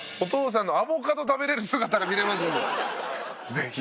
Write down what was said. ぜひ。